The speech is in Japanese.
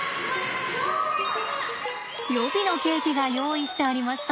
予備のケーキが用意してありました。